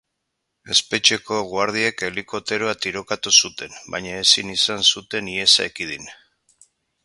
Espetxeko guardiek helikopteroa tirokatu zuten, baina ezin izan zuten ihesa ekidin.